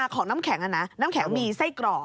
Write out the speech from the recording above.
ของน้ำแข็งน้ำแข็งมีไส้กรอก